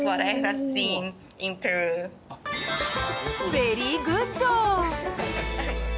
ベリーグッド！